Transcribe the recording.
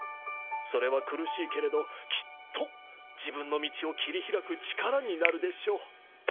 それは苦しいけれどきっと自分の道を切り開く力になるでしょう。